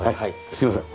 すいません。